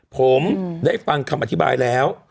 ผมได้ฟังคำอธิบายแล้ว